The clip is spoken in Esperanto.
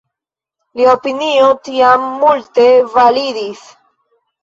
Lia opinio tiam multe validis.